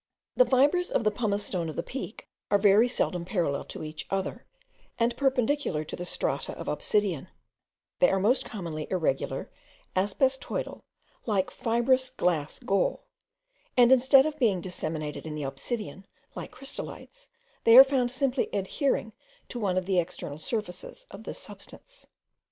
The fibres of the pumice stone of the Peak are very seldom parallel to each other, and perpendicular to the strata of obsidian; they are most commonly irregular, asbestoidal, like fibrous glass gall; and instead of being disseminated in the obsidian, like crystalites, they are found simply adhering to one of the external surfaces of this substance.